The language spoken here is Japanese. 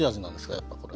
やっぱこれは。